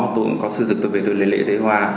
tôi cũng có sư dực tôi về tôi lễ lễ đế hoa